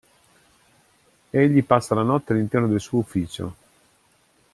Egli passa la notte all'interno del suo ufficio.